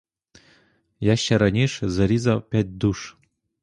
Я ще раніш зарізав п'ять душ.